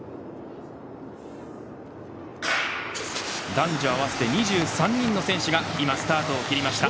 男女合わせて２３人の選手がスタートを切りました。